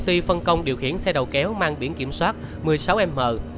khi phân công điều khiển xe đầu kéo mang biển kiểm soát một mươi sáu m sáu nghìn chín trăm bốn mươi ba